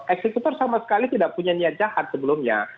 eksekutor sama sekali tidak punya niat jahat sebelumnya